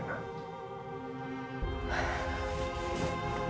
gak ada apa